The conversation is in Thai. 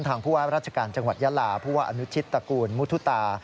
ผู้ว่าราชการจังหวัดยาลาผู้ว่าอนุชิตตระกูลมุทุตา